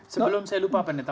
sebelum saya lupa pak nita